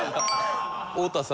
太田さん